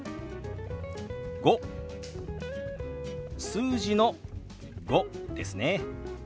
数字の「５」ですね。